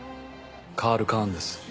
カール・カーンです。